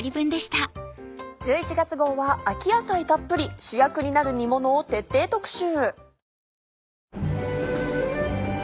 １１月号は「秋野菜たっぷり主役になる煮もの」を徹底特集。